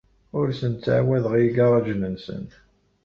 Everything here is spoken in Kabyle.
Ur asen-ttɛawadeɣ i yigaṛajen-nsen.